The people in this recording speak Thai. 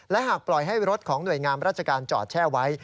และหากปล่อยให้รถของหน่วยงามราชการจอดแช่ไว้